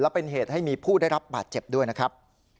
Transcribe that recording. และเป็นเหตุให้มีผู้ได้รับบาดเจ็บด้วยนะครับ